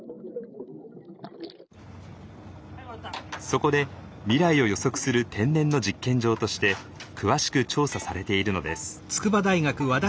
そこで未来を予測する天然の実験場として詳しく調査されているのです。